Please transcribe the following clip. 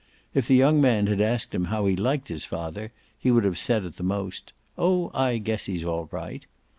If the young man had asked him how he liked his father he would have said at the most: "Oh I guess he's all right!"